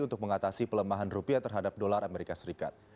untuk mengatasi pelemahan rupiah terhadap dolar amerika serikat